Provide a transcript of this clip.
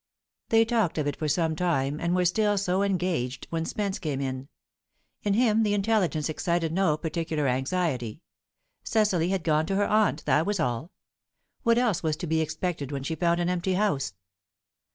They talked of it for some time, and were still so engaged when Spence came in. In him the intelligence excited no particular anxiety; Cecily had gone to her aunt, that was all. What else was to be expected when she found an empty house?